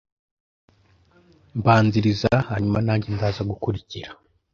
mbanzirizahanyuma nange ndaza gukurikira